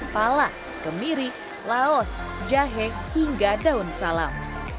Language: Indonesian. pala kemiri laos jahe hingga daun salam